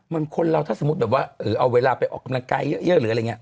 มันคนเราถ้าสมมุติแบบว่าเอาเวลาไปออกกำลังกายเยอะหรืออะไรอย่างนี้